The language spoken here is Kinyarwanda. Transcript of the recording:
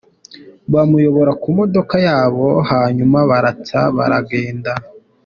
Bamuyobora ku modoka yabo hanyuma baratsa baragenda.”